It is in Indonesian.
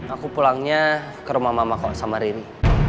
aku pulangnya ke rumah mama kok sama riri